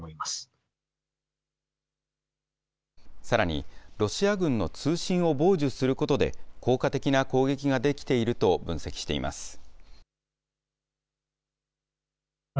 さらに、ロシア軍の通信を傍受することで、効果的な攻撃ができていると分析しています。